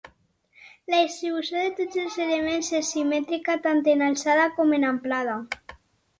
La distribució de tots els elements és simètrica tant en alçada com en amplada.